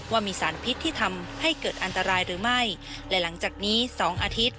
ว่ามีสารพิษที่ทำให้เกิดอันตรายหรือไม่และหลังจากนี้สองอาทิตย์